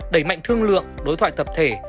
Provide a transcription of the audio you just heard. đẩy mạnh thương lượng đối thoại tập thể